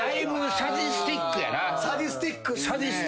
サディスティックやな。